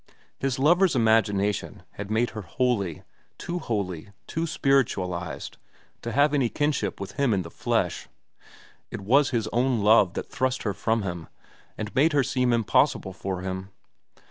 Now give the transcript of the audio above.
His lover's imagination had made her holy, too holy, too spiritualized, to have any kinship with him in the flesh. It was his own love that thrust her from him and made her seem impossible for him.